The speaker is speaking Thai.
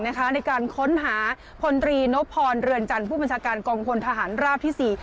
ในการค้นหาพลตรีนพรเรือนจันทร์ผู้บัญชาการกองพลทหารราบที่๔